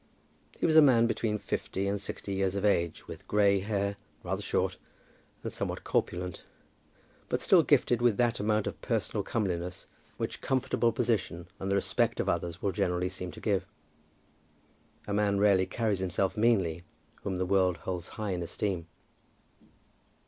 He was a man between fifty and sixty years of age, with grey hair, rather short, and somewhat corpulent, but still gifted with that amount of personal comeliness which comfortable position and the respect of others will generally seem to give. A man rarely carries himself meanly, whom the world holds high in esteem.